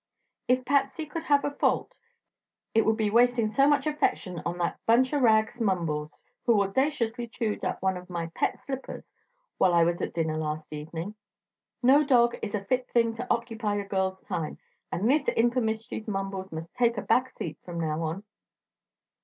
If Patsy could have a fault, it would be wasting so much affection on that bunch o' rags Mumbles, who audaciously chewed up one of my pet slippers while I was at dinner last evening. No dog is a fit thing to occupy a girl's time, and this imp o' mischief Mumbles must take a back seat from now on."